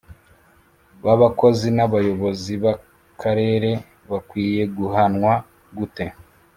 Ba bakozi n’abayobozi b’akarere bakwiye guhanwa gute